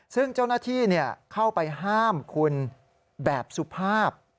ซึ่งเจ้าหน้าที่เข้าไปห้ามคุณแบบสุภาพ